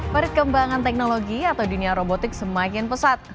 perkembangan teknologi atau dunia robotik semakin pesat